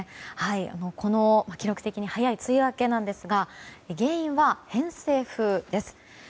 この記録的に早い梅雨明けなんですが原因は偏西風です。